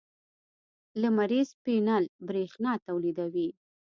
لمریز پینل برېښنا تولیدوي.